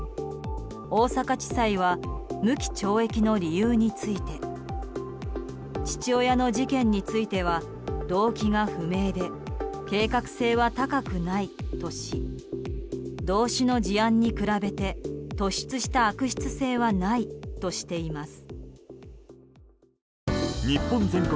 大阪地裁は無期懲役の理由について父親の事件については動機が不明で計画性は高くないとし同種の事案に比べて突出した悪質性はないとしています。